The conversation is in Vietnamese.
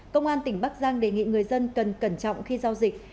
công an tỉnh bắc giang đề nghị người dân cần cẩn trọng khi giao dịch